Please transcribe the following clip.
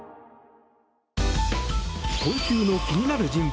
今週の気になる人物